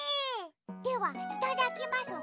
ではいただきますわ。